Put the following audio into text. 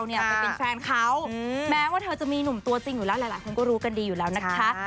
ไปเป็นแฟนเขาแม้ว่าเธอจะมีหนุ่มตัวจริงอยู่แล้วหลายคนก็รู้กันดีอยู่แล้วนะคะ